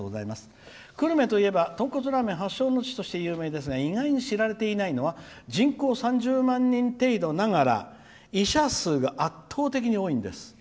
久留米といえばとんこつラーメン発祥の地として知られていますが意外と知られていないのが人口３０万人程度ながら医者数が圧倒的に多いんです。